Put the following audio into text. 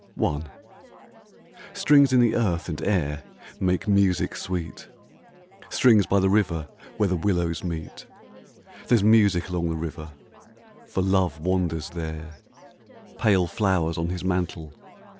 C. \ i Strings in the earth and air Make music sweet ; Strings by the river where The willows meet. There's music along the river For Love wanders there, Pale flowers on his mantle.